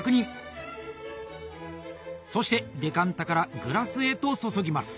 そしてデカンタからグラスへと注ぎます。